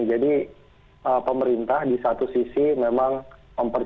jadi pemerintah di satu sisi memang mempercepat adanya pemulihan daya beli masyarakat